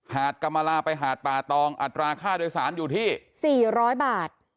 กรรมลาไปหาดป่าตองอัตราค่าโดยสารอยู่ที่๔๐๐บาท